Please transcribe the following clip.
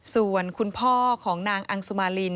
ส่วนคุณพ่อของนางอังสุมาริน